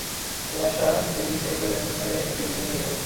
কুয়াশা থেকে কিছু একটা বের হয়ে ওকে ছিনিয়ে নিয়ে গেল।